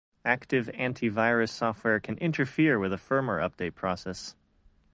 Active anti-virus software can interfere with a firmware update process.